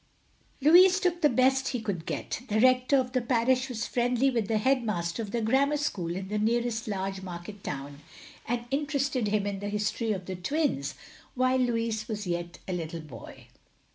Louis took the best he could get. The Rector of the parish was friendly with the headmaster of the grammar school in the nearest large market town, and interested him in the history of the twins while Louis was yet a little boy.